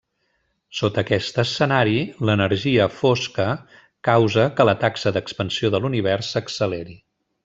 Sota aquest escenari, l'energia fosca causa que la taxa d'expansió de l'univers s'acceleri.